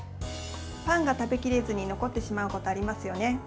パンが食べきれずに残ってしまうことがありますよね。